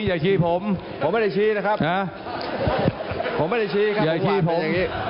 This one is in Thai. อย่าชี้ผมผมไม่ได้ชี้นะครับผมไม่ได้ชี้ครับอย่าชี้ผมอย่างนี้